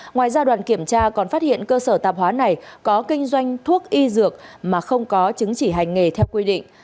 ngoài ra đoàn kiểm tra còn phát hiện cơ sở tạp hóa này có kinh doanh thuốc y dược mà không có chứng chỉ hành nghề theo quy định